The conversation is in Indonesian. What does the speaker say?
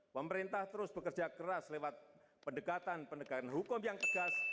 pemerintah terus bekerja keras lewat pendekatan pendekatan hukum yang tegas